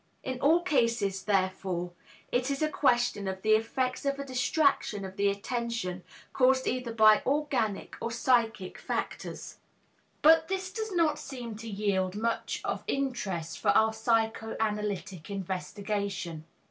In all cases, therefore, it is a question of the effects of a distraction of the attention, caused either by organic or psychic factors. But this does not seem to yield much of interest for our psychoanalytic investigation.